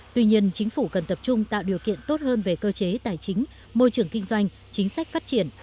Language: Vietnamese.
tuy nhiên chính phủ cần tập trung tạo điều kiện tốt hơn về cơ chế tài chính môi trường kinh doanh chính sách phát triển